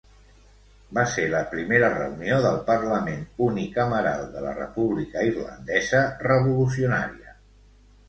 Va ser la primera reunió del parlament unicameral de la República Irlandesa revolucionària.